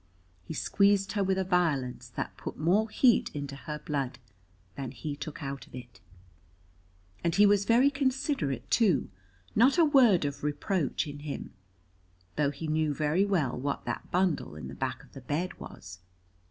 He squeezed her with a violence that put more heat into her blood than he took out of it. And he was very considerate, too: not a word of reproach in him, though he knew very well what that bundle in the back of the bed was.